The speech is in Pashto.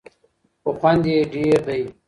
خو خوند یې ډېر دی.